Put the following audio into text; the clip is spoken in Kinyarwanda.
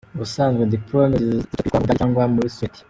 Ubusanzwe diplôme zicapishwa mu Budage cyangwa muri Suède.